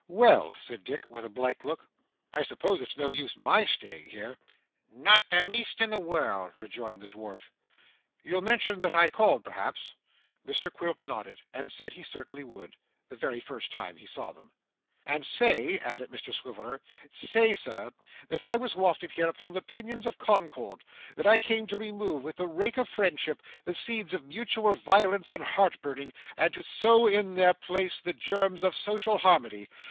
'Well,' said Dick, with a blank look, 'I suppose it's of no use my staying here.' 'Not the least in the world,' rejoined the dwarf. 'You'll mention that I called, perhaps?' said Dick. Mr Quilp nodded, and said he certainly would, the very first time he saw them. 'And say,' added Mr Swiveller, 'say, sir, that I was wafted here upon the pinions of concord; that I came to remove, with the rake of friendship, the seeds of mutual violence and heart burning, and to sow in their place, the germs of social harmony.